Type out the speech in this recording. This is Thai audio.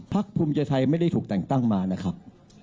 ภูมิใจไทยไม่ได้ถูกแต่งตั้งมานะครับ